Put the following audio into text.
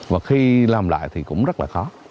và khi làm lại thì cũng rất là khó